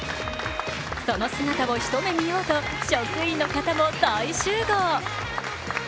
その姿を一目見ようと職員の方も大集合。